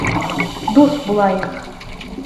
ДУҪ БУЛАЙЫҠ